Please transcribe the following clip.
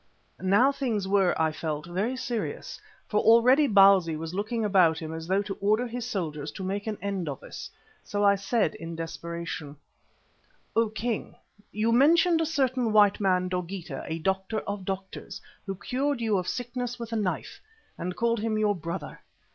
Now things were, I felt, very serious, for already Bausi was looking about him as though to order his soldiers to make an end of us. So I said in desperation: "O King, you mentioned a certain white man, Dogeetah, a doctor of doctors, who cured you of sickness with a knife, and called him your brother.